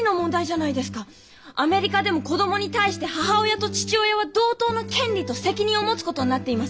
アメリカでも子供に対して母親と父親は同等の権利と責任を持つことになっています。